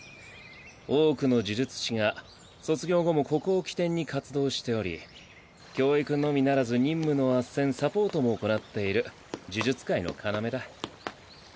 多くの呪術師が卒業後もここを起点に活動しており教育のみならず任務の斡旋サポートも行っている呪術界の要だ。